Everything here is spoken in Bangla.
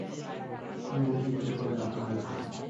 আমি বৈচিত্র্যের খোঁজে আকুল হয়েছিলাম।